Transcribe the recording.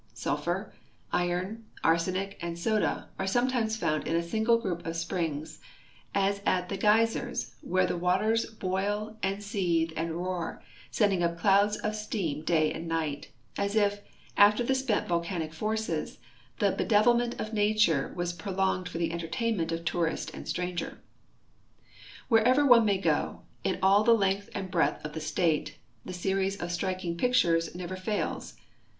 Sulphur, iron, arsenic, and soda are sometimes found in a single group of springs, as at the geysers, where the waters boil and seethe and roar, sending up clouds of steam day and night, as if, after the spent volcanic forces, the bedevilment of nature was pro longed for the entertainment of tourist and stranger. Wherever one may go, in all the length and breadth of the state, the series of striking pictures never fails.